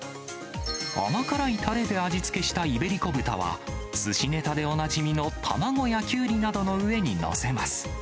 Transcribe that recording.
甘辛いたれで味付けしたイベリコ豚は、すしネタでおなじみの卵やきゅうりなどの上に載せます。